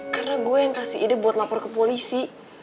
karena gue yang kasih ide buat lapor ke polisi